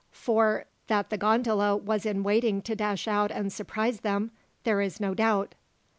For, that the gondola was in waiting to dash out and surprise them, there is no doubt.